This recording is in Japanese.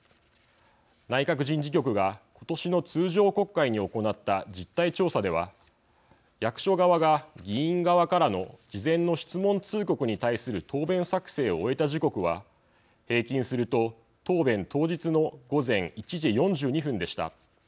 内閣人事局が今年の通常国会に行った実態調査では役所側が議員側からの事前の質問通告に対する答弁作成を終えた時刻は平均すると答弁当日の午前１時４２分でした。